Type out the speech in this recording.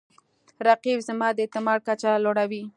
رقیب زما د اعتماد کچه لوړوي